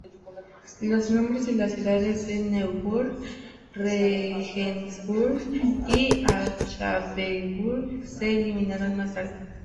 Los nombres de las ciudades de Neuburg, Regensburg y Aschaffenburg se eliminaron más tarde.